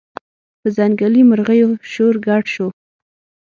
په ځنګلي مرغیو شور ګډ شو